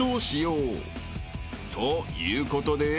ということで］